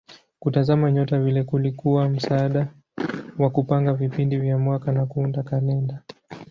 Kutazama nyota vile kulikuwa msaada wa kupanga vipindi vya mwaka na kuunda kalenda.